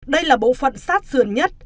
đây là bộ phận sát dườn nhất